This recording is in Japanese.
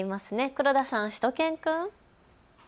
黒田さん、しゅと犬くん。